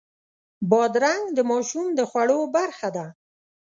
بادرنګ د ماشوم د خوړو برخه ده.